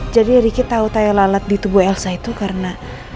jadi ricky tau tayang lalat di tubuh elsa itu karena